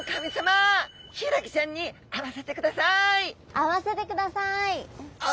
会わせてください！